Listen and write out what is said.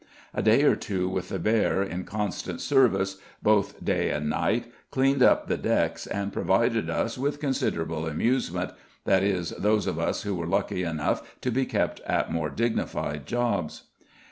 A day or two with the bear in constant service, both day and night, cleaned up the decks and provided us with considerable amusement, that is, those of us who were lucky enough to be kept at more dignified jobs.